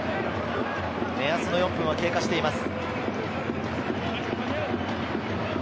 目安の４分は経過しています。